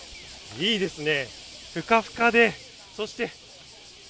いいですね。